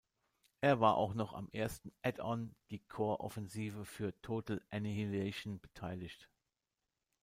Er war auch noch am ersten Add-on "Die Core Offensive" für Total Annihilation beteiligt.